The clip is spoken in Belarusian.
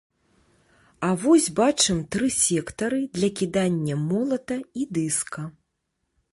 А вось бачым тры сектары для кідання молата і дыска.